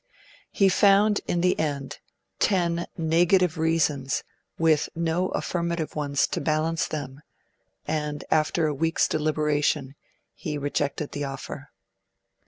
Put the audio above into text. He found in the end ten 'negative reasons', with no affirmative ones to balance them, and, after a week's deliberation, he rejected the offer.